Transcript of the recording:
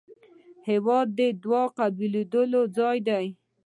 هېواد د دعا قبلېدو ځای دی.